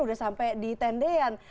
udah sampai di tendean